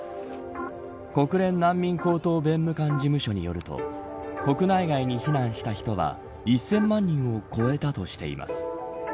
国連難民高等弁務官事務所によると国内外に避難した人は１０００万人を超えたとしています。